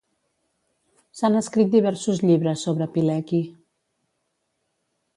S'han escrit diversos llibres sobre Pilecki.